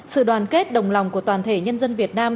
sự đoàn kết đồng lòng của toàn thể nhân dân việt nam